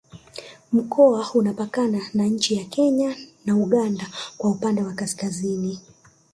Mkoa unapakana na Nchi ya Kenya na Uganda kwa upande wa Kaskazini